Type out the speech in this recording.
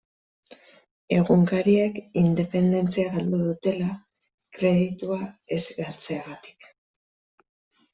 Egunkariek independentzia galdu dutela, kreditua ez galtzegatik.